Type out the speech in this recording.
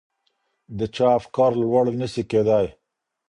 د چا افکار لوړ نه سي کیدای؟